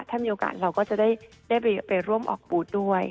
ถ้ามีโอกาสเราก็จะได้ไปร่วมออกบูธด้วย